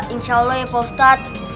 insya allah ya ustadz